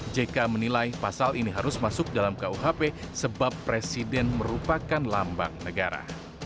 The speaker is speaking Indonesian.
jk menilai pasal ini harus masuk dalam kuhp sebab presiden merupakan lambang negara